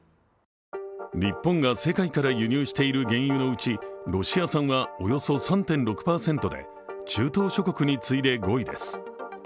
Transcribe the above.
日本が世界から輸入している原油のうちロシア産はおよそ３．６％で中東諸国に次いで５位です。